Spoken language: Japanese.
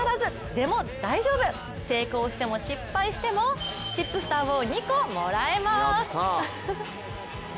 でも大丈夫、成功しても失敗してもチップスターを２個もらえます。